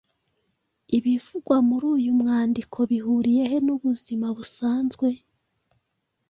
Ibivugwa muri uyu mwandiko bihuriye he n’ubuzima busanzwe ?